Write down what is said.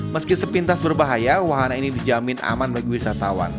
meski sepintas berbahaya wahana ini dijamin aman bagi wisatawan